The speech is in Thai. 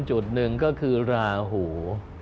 จุดหนึ่งก็คือราหู